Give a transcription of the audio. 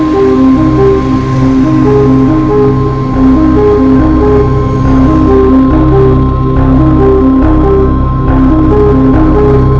kita ke atas